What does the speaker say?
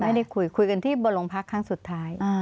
ไม่ได้คุยคุยกันที่บนโรงพักครั้งสุดท้าย